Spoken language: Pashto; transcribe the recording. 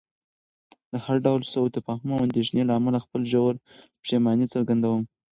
د هر ډول سوء تفاهم او اندېښنې له امله خپله ژوره پښیماني څرګندوم.